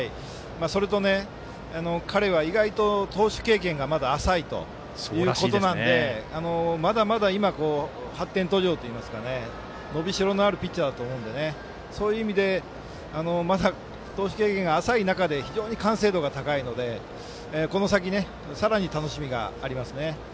それと彼は意外と投手経験がまだ浅いということなのでまだまだ、今、発展途上というか伸びしろのあるピッチャーだと思うのでそういう意味でまだ投手経験が浅い中で非常に完成度が高いのでこの先、さらに楽しみがあります。